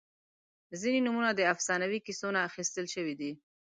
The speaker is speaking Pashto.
• ځینې نومونه د افسانوي کیسو نه اخیستل شوي دي.